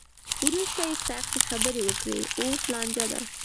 وروسته یې سختې خبرې وکړې؛ اوس لانجه ده.